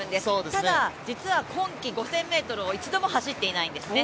ただ、実は今季５０００ｍを一度も走ってないんですね。